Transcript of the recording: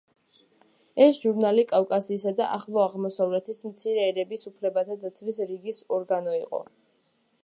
ეს ჟურნალი „კავკასიისა და ახლო აღმოსავლეთის მცირე ერების უფლებათა დაცვის ლიგის“ ორგანო იყო.